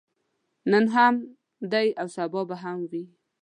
نن هم دی او سبا به هم وي.